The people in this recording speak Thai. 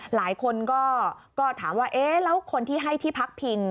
หลายคนก็ถามว่าเอ๊ะแล้วคนที่ให้ที่พักพิง